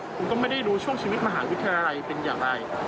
คุณก็ไม่ได้รู้ช่วงชีวิตมหาวิทยาลัยเป็นอย่างไร